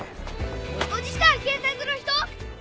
おじさん警察の人？